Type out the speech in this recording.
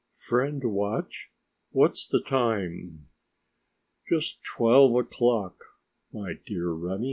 "Friend watch, what's the time?" "Just twelve o'clock, my dear Remi."